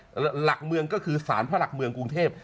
หลักเมืองก็คือสารพระหลักเมืองกรุงเทพ